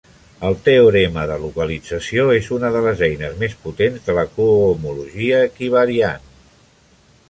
El teorema de localització és una de les eines més potents de la cohomologia equivariant.